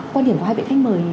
quan niệm của hai vị khách mời